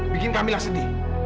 bikin kamila sedih